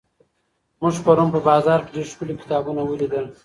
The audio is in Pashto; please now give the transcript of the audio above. موږ پرون په بازار کې ډېر ښکلي کتابونه ولیدل.